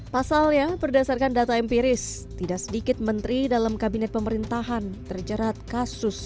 pasalnya berdasarkan data empiris tidak sedikit menteri dalam kabinet pemerintahan terjerat kasus